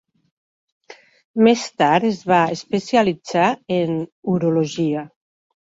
Més tard es va especialitzar en urologia.